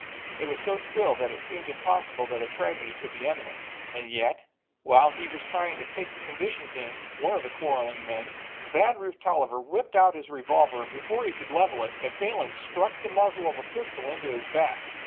It was so still that it seemed impossible that a tragedy could be imminent, and yet, while he was trying to take the conditions in, one of the quarrelling men Bad Rufe Tolliver whipped out his revolver and before he could level it, a Falin struck the muzzle of a pistol into his back.